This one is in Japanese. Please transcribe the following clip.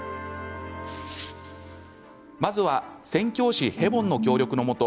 まずは宣教師ヘボンの協力のもと